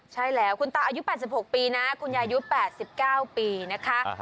ใช่แล้วคุณตาอายุ๘๖ปีนะคุณยายุค๘๙ปีนะคะ